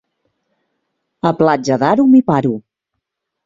A Platja d'Aro m'hi paro.